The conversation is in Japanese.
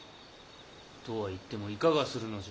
・とは言ってもいかがするのじゃ。